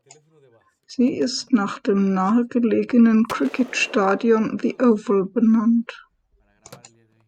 Sie ist nach dem nahe gelegenen Cricket-Stadion The Oval benannt.